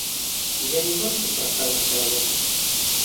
Я не толькі пра правы чалавека.